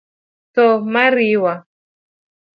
Tho ma riwa;